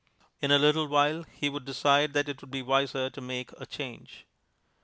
In a little while he would decide that it would be wiser to make a change....